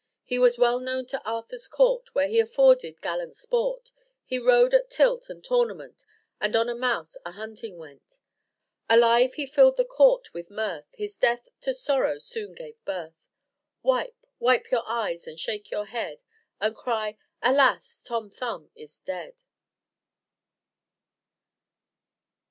He was well known in Arthur's court, Where he afforded gallant sport; He rode at tilt and tournament, And on a mouse a hunting went; Alive he fill'd the court with mirth, His death to sorrow soon gave birth. Wipe, wipe your eyes, and shake your head, And cry, 'Alas! Tom Thumb is dead.'"